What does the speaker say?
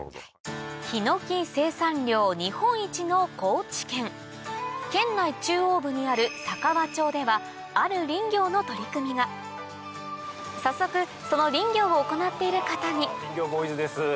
ヒノキ生産量日本一の高知県県内中央部にある佐川町では早速その林業を行っている方に林業ボーイズです。